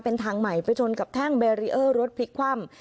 เป็นทางใหม่ไปชนกับแท่งเบรีเออร์รถพลิกคว่ำ